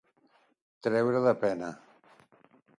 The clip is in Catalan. Treure de pena.